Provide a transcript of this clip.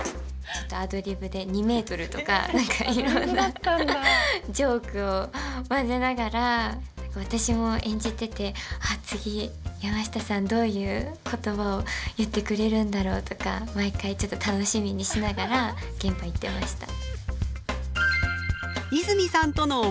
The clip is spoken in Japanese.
ちょっとアドリブで「２メートル」とか何かいろんなジョークを交ぜながら私も演じてて「あっ次山下さんどういう言葉を言ってくれるんだろう」とか毎回ちょっと楽しみにしながら現場行ってました。